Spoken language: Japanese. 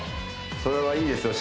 それはいいですよ